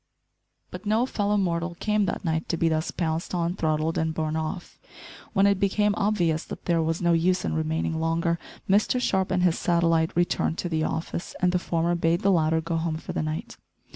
But no fellow mortal came that night to be thus pounced on, throttled, and borne off. When it became obvious that there was no use in remaining longer, Mr Sharp and his satellite returned to the office, and the former bade the latter go home for the night.